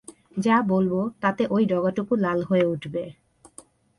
যা বলব তাতে ঐ ডগাটুকু লাল হয়ে উঠবে।